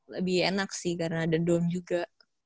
lebih enak sih karena ada dom juga